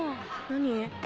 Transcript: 何？